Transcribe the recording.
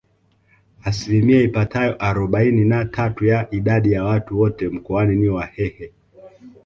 Asilimia ipatayo arobaini na tatu ya idadi ya watu wote Mkoani ni Wahehe